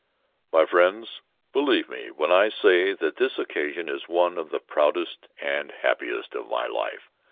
"My friends, believe me when I say that this occasion is one of the proudest and happiest of my life.